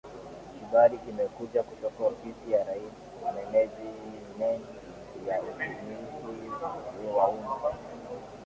Kibali kimekuja kutoka Ofisi ya Rais Menejimenti ya Utumishi wa Umma